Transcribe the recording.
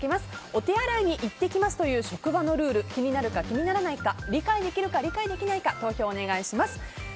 お手洗いに行ってきますと言う職場のルール気になるか気にならないか理解できるか、できないか投票をお願いします。